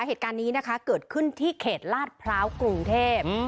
เหตุการณ์นี้นะคะเกิดขึ้นที่เขตลาดพร้าวกรุงเทพ